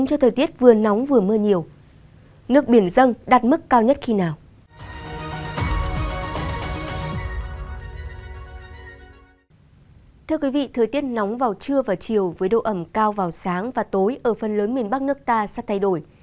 thời tiết nóng vào trưa và chiều với độ ẩm cao vào sáng và tối ở phần lớn miền bắc nước ta sắp thay đổi